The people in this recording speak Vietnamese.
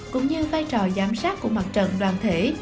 cũng như vai trò giám sát của mặt trận đoàn thể